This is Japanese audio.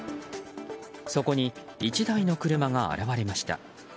そこに１台の車が現れました。